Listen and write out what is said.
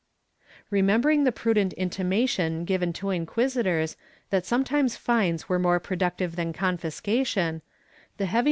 ^ Remembering the prudent intimation given to inquisitors that sometimes fines were more productive than confiscation, the heavy 1 MSS.